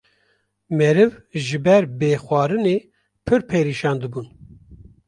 Meriv ji ber bê xwarinê pirr perîşan dibûn.